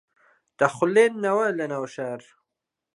دەخولێنەوە لە ناو شار